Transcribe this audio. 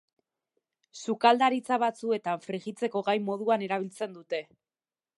Sukaldaritza batzuetan frijitzeko gai moduan erabiltzen dute.